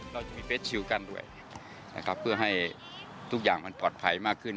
เราจะมีเฟสชิลกันด้วยนะครับเพื่อให้ทุกอย่างมันปลอดภัยมากขึ้น